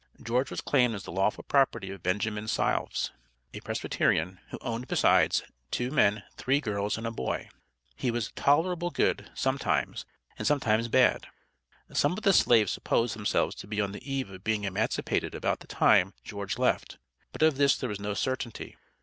George was claimed as the lawful property of Benjamin Sylves a Presbyterian, who owned besides, two men, three girls, and a boy. He was "tolerable good" sometimes, and sometimes "bad." Some of the slaves supposed themselves to be on the eve of being emancipated about the time George left; but of this there was no certainty.